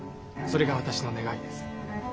それが私の願いです。